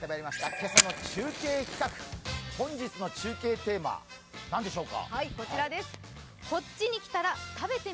今朝の中継企画、本日の中継テーマ何でしょうか。